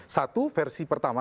satu versi pertama